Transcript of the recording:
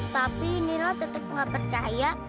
tapi nino tetep gak percaya